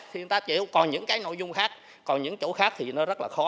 thì người ta chịu còn những cái nội dung khác còn những chỗ khác thì nó rất là khó